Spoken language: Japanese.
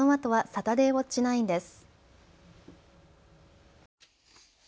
サタデーウオッチ９です。